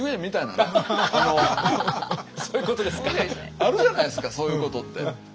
あるじゃないですかそういうことって。